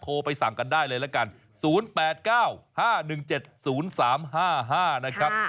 ไปสั่งกันได้เลยละกัน๐๘๙๕๑๗๐๓๕๕นะครับ